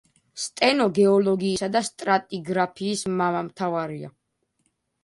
სტენო გეოლოგიისა და სტრატიგრაფიის მამამთავარია.